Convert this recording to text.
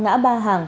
ngã ba hàng